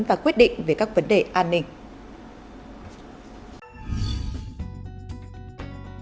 và quyết định về các vấn đề an ninh